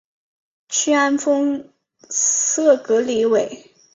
屈安丰塞格里韦。